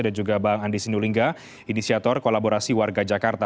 dan juga bang andi sinulinga inisiator kolaborasi warga jakarta